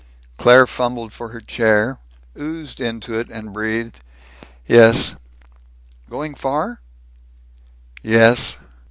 Claire fumbled for her chair, oozed into it, and breathed, "Yes." "Going far?" "Yes."